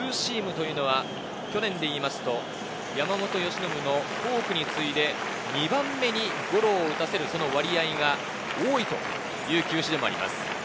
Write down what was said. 青柳のツーシームは去年でいうと山本由伸のフォークに次いで２番目にゴロを打たせる割合が多いという球種でもあります。